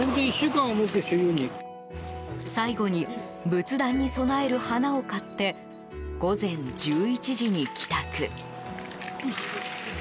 最後に仏壇に供える花を買って午前１１時に帰宅。